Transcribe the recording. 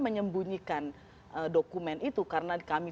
menyembunyikan dokumen itu karena kami